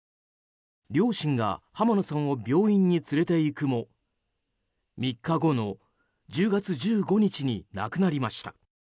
両親が浜野さんを病院に連れていくも３日後の１０月１５日に亡くなりました。